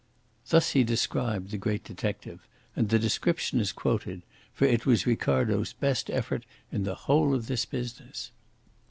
Thus he described the great detective, and the description is quoted. For it was Ricardo's best effort in the whole of this business.